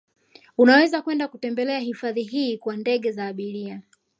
Unaweza kwenda kutembelea hifadhi hii kwa ndege za abiria